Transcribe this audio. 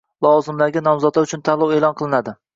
Lavozimlarga nomzodlar uchun tanlov e'lon qilinadi